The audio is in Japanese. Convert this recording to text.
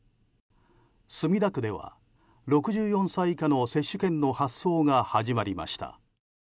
墨田区では６４歳以下の接種券の発送が始まりました。